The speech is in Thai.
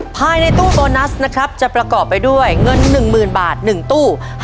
ภายในตู้โบนัสนะครับจะประกอบไปด้วยเงิน๑๐๐๐บาท๑ตู้